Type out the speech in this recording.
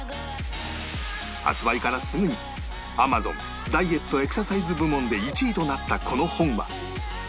発売からすぐに Ａｍａｚｏｎ ダイエットエクササイズ部門で１位となったこの本は